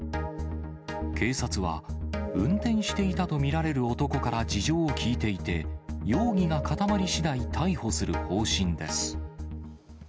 警察は、運転していたと見られる男から事情を聴いていて、容疑が固まりしだい、逮捕する方針です。